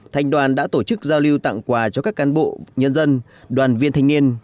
thành đoàn đã tổ chức giao lưu tặng quà cho các cán bộ nhân dân đoàn viên thanh niên